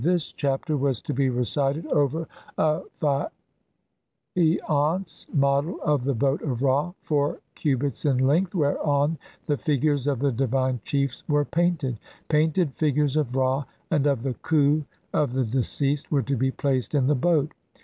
This Chapter was to be recited over a faience model of the boat of Ra, four cubits in length, whereon the figures of the divine chiefs were painted; painted figures of Ra and of the Khu of the deceased were to be placed in the boat.